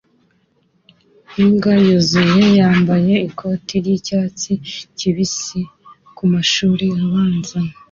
Imbwa yuzuye yambaye ikoti ryicyatsi kibisi kumashuri abanza